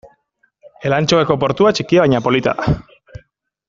Elantxobeko portua txikia baina polita da.